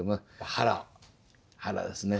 「腹」ですね。